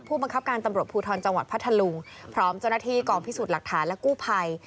บังคับการตำรวจภูทรจังหวัดพัทธลุงพร้อมเจ้าหน้าที่กองพิสูจน์หลักฐานและกู้ภัย